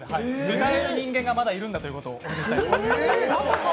歌える人間がまだいるんだということをお見せしたい。